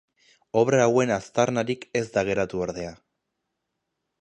Obra hauen aztarnarik ez da geratu ordea.